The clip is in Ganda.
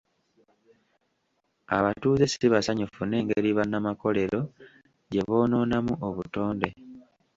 Abatuuze si basanyufu n'engeri bannamakolero gye boonoonamu obutonde.